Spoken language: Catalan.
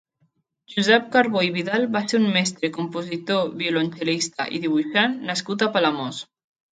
Josep Carbó i Vidal va ser un mestre, compositor, violoncel·lista i dibuixant nascut a Palamós.